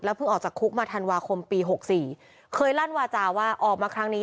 เพิ่งออกจากคุกมาธันวาคมปี๖๔เคยลั่นวาจาว่าออกมาครั้งนี้